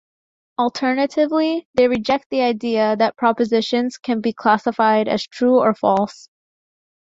Alternatively, they reject the idea that propositions can be classified as true or false.